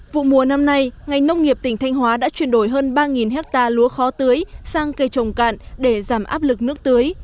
vụ mùa năm nay ngành nông nghiệp tỉnh thanh hóa đã chuyển đổi hơn ba hectare lúa khó tưới sang cây trồng cạn để giảm áp lực nước tưới